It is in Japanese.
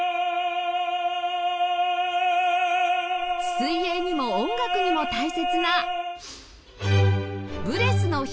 水泳にも音楽にも大切な